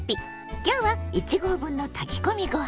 今日は１合分の炊き込みご飯よ。